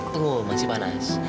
tuh masih panas